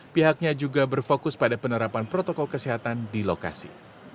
pihaknya juga berfokus pada penerapan protokol kesehatan di lokasi